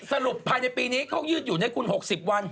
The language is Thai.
สรุปภายในปีนี้เขายืดอยู่ด้วยกว่าคุณหกสิบวัน